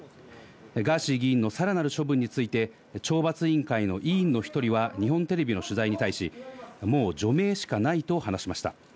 ガーシー議員のさらなる処分について、懲罰委員会の委員の１人は日本テレビの取材に対し、もう除名しかないと話しました。